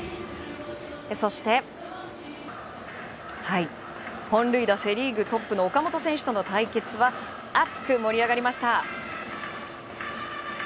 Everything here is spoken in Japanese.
そして本塁打セ・リーグトップの岡本選手との対決は熱く盛り上がりました。